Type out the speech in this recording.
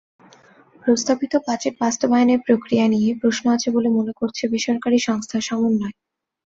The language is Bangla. প্রস্তাবিত বাজেট বাস্তবায়নের প্রক্রিয়া নিয়ে প্রশ্ন আছে বলে মনে করছে বেসরকারি সংস্থা সমুন্নয়।